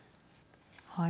はい。